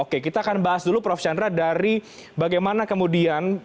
oke kita akan bahas dulu prof chandra dari bagaimana kemudian